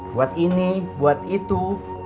buat ini buat itu